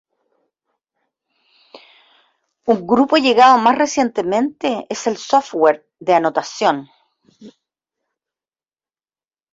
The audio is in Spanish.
Un grupo llegado más recientemente es el software de anotación.